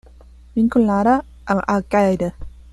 Vinculada a Al Qaeda.